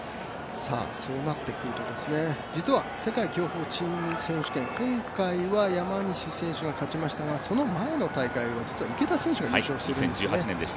そうなってくると、実は世界競歩チーム選手権、今回は山西選手が勝ちましたがその前の大会は実は池田選手が優勝しているんです。